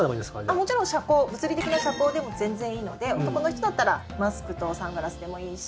もちろん物理的な遮光でも全然いいので男の人だったらマスクとサングラスでもいいし。